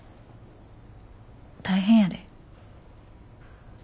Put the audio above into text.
大変やで。